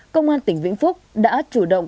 công an tỉnh vĩnh phúc đã chủ động